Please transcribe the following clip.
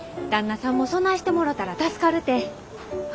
旦那さんもそないしてもろたら助かるて。